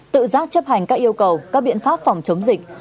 tự giác chấp hành các yêu cầu các biện pháp phòng chống dịch